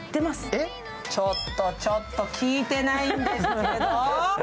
ちょっと、ちょっと、聞いてないんですけど。